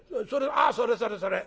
あそれそれそれ」。